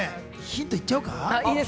ヒントいっちゃおうか？